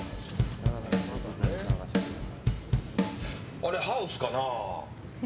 あれハウスかな？